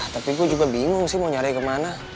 tapi gue juga bingung sih mau nyari kemana